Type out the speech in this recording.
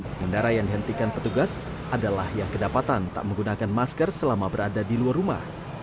pengendara yang dihentikan petugas adalah yang kedapatan tak menggunakan masker selama berada di luar rumah